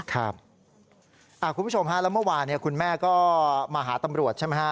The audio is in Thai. คุณผู้ชมฮะแล้วเมื่อวานคุณแม่ก็มาหาตำรวจใช่ไหมฮะ